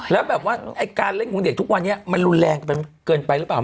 แล้วแบบว่าไอ้การเล่นของเด็กทุกวันนี้มันรุนแรงเกินไปหรือเปล่า